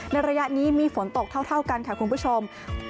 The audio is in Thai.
ระยะนี้มีฝนตกเท่ากันค่ะคุณผู้ชม